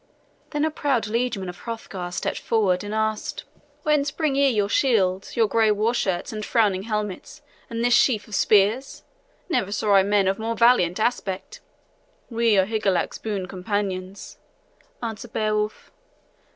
Then a proud liegeman of Hrothgar's stepped forward and asked: "Whence bring ye your shields, your gray war shirts and frowning helmets, and this sheaf of spears? Never saw I men of more valiant aspect." "We are Higelac's boon companions," answered Beowulf.